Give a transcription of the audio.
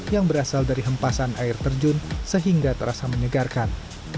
yang berasal dari hempasan air terjun sehingga terasa menyegarkan